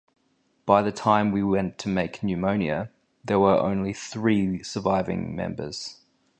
By the time we went to make "Pneumonia", there were only three surviving members.